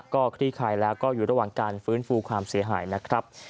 ก็คลี่คลายแล้วก็อยู่ระหว่างการฟื้นฟูความเสียหายนะครับ